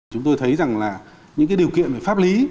chúng tôi thấy rằng là những điều kiện về pháp lý